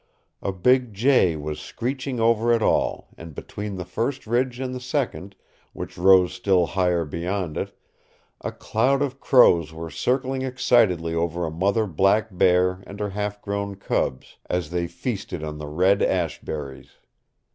A big jay was screeching over it all, and between the first ridge and the second which rose still higher beyond it a cloud of crows were circling excitedly over a mother black bear and her half grown cubs as they feasted on the red ash berries.